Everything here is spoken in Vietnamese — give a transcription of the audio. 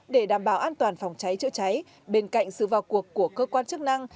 để đảm bảo an toàn phòng cháy chữa cháy bên cạnh sự vào cuộc của cơ quan chức năng